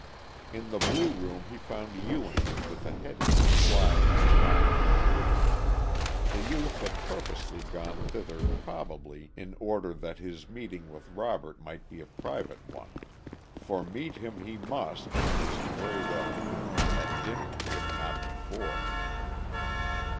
In the blue room he found Ewing, with a headache, lying on a lounge. The youth had purposely gone thither, probably, in order that his meeting with Robert might be a private one, for meet him he must, as he very well knew, at dinner if not before.